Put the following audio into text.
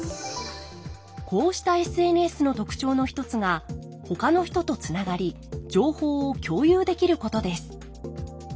こうしたＳＮＳの特徴の一つがほかの人とつながり情報を共有できることです。